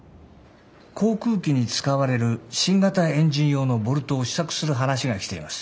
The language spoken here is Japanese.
航空機に使われる新型エンジン用のボルトを試作する話が来ています。